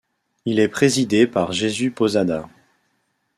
Il est présidé par Jesús Posada.